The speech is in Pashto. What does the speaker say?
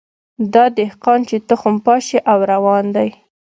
دا دهقان چي تخم پاشي او روان دی